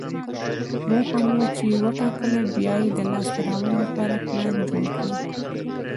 موخه مو چې وټاکله، بیا یې د لاسته راوړلو لپاره پلان جوړ کړئ.